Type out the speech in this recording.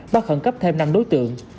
bắt khẩn cấp thêm năm đối tượng